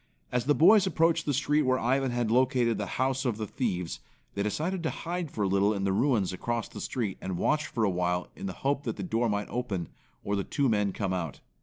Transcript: As the boys approached the street where Warren had located the house of the thieves, they decided to hide for a little in the ruins across the street, and watch for awhile in the hope that the door might open, or the two men come out.